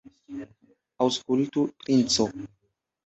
Aŭskultu, princo!